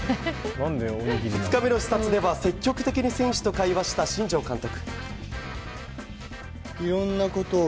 ２日目の視察では積極的に選手たちと会話した新庄監督。